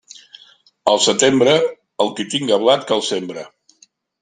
Al setembre, el qui tinga blat que el sembre.